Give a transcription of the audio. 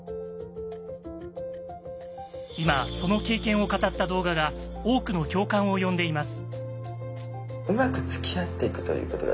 今その経験を語った動画が多くの共感を呼んでいます。